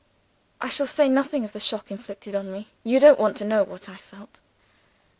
I shall say nothing of the shock inflicted on me: you don't want to know what I felt.